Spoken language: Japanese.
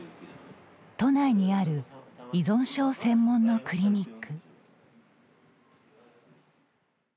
都内にある依存症専門のクリニック。